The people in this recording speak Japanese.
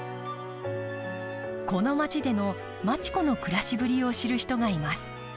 この町での町子の暮らしぶりを知る人がいます。